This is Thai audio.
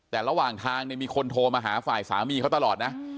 แต่ระหว่างทางเนี่ยมีคนโทรมาหาฝ่ายสามีเขาตลอดนะ